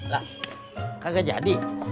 lah kagak jadi